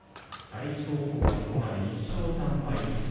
大翔鵬はここまで１勝３敗です。